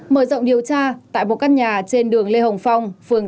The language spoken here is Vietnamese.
mở rộng điều tra tại một căn nhà trên đường lê hồng phong phường